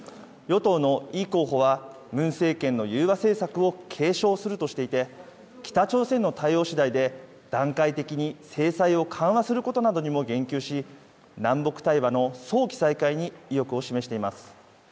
与党のイ候補は、ムン政権の融和政策を継承するとしていて、北朝鮮の対応しだいで、段階的に制裁を緩和することなどにも言及し、南北対話の早期再開に意欲を示しています。